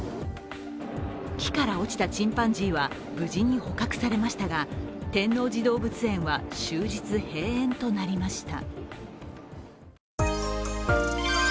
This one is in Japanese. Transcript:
木から落ちたチンパンジーは無事に捕獲されましたが天王寺動物園は終日閉園となりました。